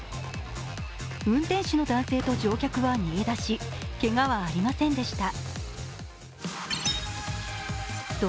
運転手の男性と乗客は逃げ出しけがはありませんでした。